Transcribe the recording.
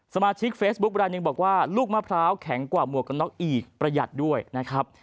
สมาชิกเฟซบุ๊คลายหนึ่งบอกว่าลูกมะพร้าวแข็งกว่าหมวกกันน็อกอีกประหยัดด้วยนะครับ